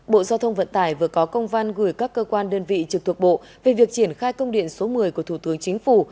bộ giao thông vận tải vừa có công văn gửi các cơ quan đơn vị trực thuộc bộ về việc triển khai công điện số một mươi của thủ tướng chính phủ